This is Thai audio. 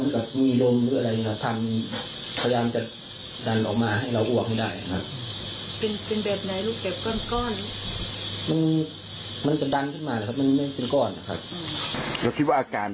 ตอนที่เรานั่งหลับตาเราพูดท่องนู้นท่องนี้ท่องนั้นในหัวเราเป็นยังไงครับ